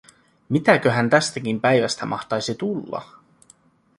Mitäköhän tästäkin päivästä mahtaisi tulla?